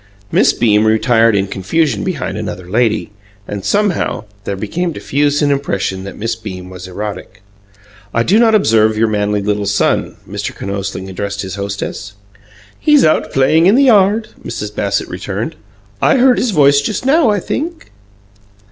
Miss Beam retired in confusion behind another lady; and somehow there became diffused an impression that Miss Beam was erotic. "I do not observe your manly little son," Mr. Kinosling addressed his hostess. "He's out playing in the yard," Mrs. Bassett returned. "I heard his voice just now, I think."